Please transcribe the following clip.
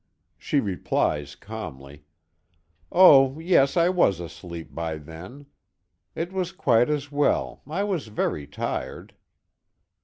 She replies calmly: "Oh yes, I was asleep by then. It was quite as well, I was very tired."